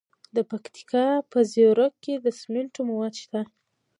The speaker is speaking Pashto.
د پکتیکا په زیروک کې د سمنټو مواد شته.